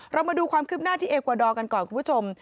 มาดูความคืบหน้าที่เอกวาดอร์กันก่อนคุณผู้ชม